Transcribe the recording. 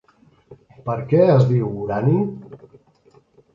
Per què es diu urani?